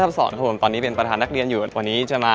ถ้าเธอได้หล่นลิลส์แจนอะบะภาหรือว่าเรียกซ่อนมาเอเน็ตก็ได้